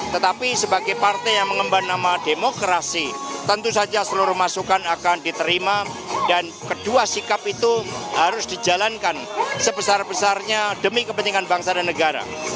tetapi sebagai partai yang mengemban nama demokrasi tentu saja seluruh masukan akan diterima dan kedua sikap itu harus dijalankan sebesar besarnya demi kepentingan bangsa dan negara